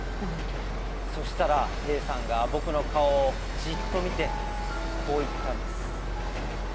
そしたらＡさんが僕の顔をじっと見て、こう言ったんです。